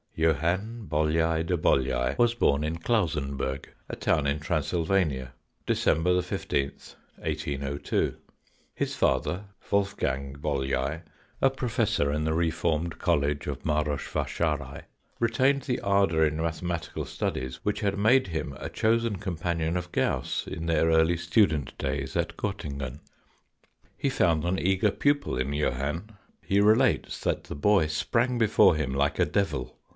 Johann Bolyai de Bolyai was born in Klausenburg, a town in Transylvania, December loth, 1802. His father, Wolfgang Bolyai, a professor in the Reformed College of Maros Vasarhely, retained the ardour in mathematical studies which had made him a chosen companion of Gauss in their early student days at Gottingen. He found an eager pupil in Johann. He relates that the boy sprang before him like a devil.